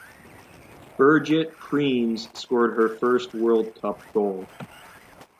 Birgit Prinz scored her first World Cup goal.